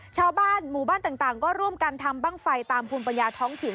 ชาวบ้านหมู่บ้านต่างก็ร่วมกันทำบ้างไฟตามภูมิปัญญาท้องถิ่น